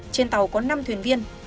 trên tàu có năm thuyền viên